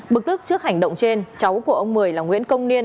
bực tức trước hành động trên cháu của ông mười là nguyễn công niên